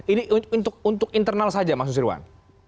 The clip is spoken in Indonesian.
ini untuk internal saja mas susirwan